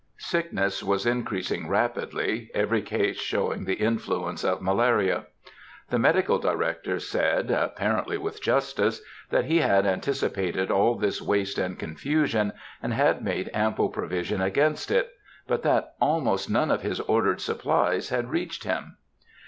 Sickness was increasing rapidly, every case showing the influence of malaria. The Medical Director said, apparently with justice, that he had anticipated all this waste and confusion, and had made ample provision against it, but that almost none of his ordered supplies had reached him.